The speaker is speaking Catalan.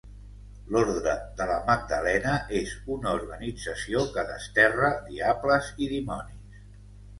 L'Ordre de la Magdalena és una organització que desterra diables i dimonis.